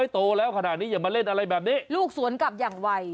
โตแล้วขนาดนี้อย่ามาเล่นอะไรแบบนี้